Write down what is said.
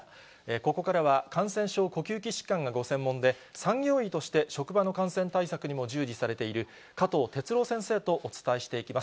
ここからは感染症・呼吸器疾患がご専門で、産業医として職場の感染対策にも従事されている、加藤哲朗先生とお伝えしていきます。